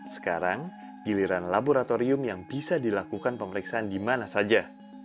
sekarang giliran laboratorium yang bisa dilakukan pemeriksaan di mana saja